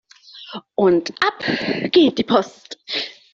Und ab geht die Post!